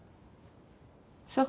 そう。